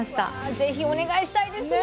是非お願いしたいですね。